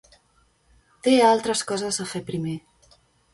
Té altres coses a fer primer.